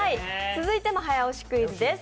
続いての早押しクイズです。